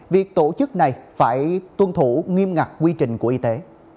việc tổ chức này phải tuân thủ nghiêm ngặt quy trình của y tế